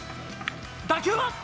打球は？